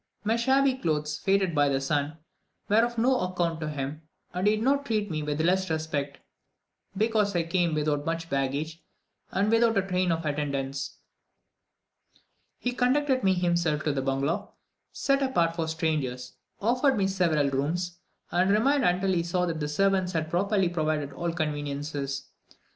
My shabby clothes, faded by the sun, were of no account to him, and he did not treat me with less respect, because I came without much baggage, and without a train of attendants. He conducted me himself to the bungalow, set apart for strangers, offered me several rooms, and remained until he saw that the servants had properly provided all conveniences.